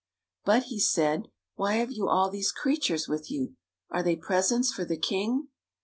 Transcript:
" But," he said, " why have you all these creatures with you? Are they presents for the king?